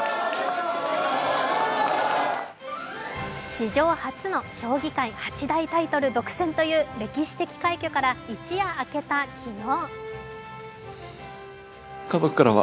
史上初の将棋界８大タイトル独占という歴史的快挙から一夜明けた昨日。